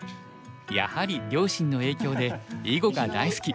やはり両親の影響で囲碁が大好き。